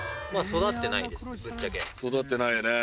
育ってないね。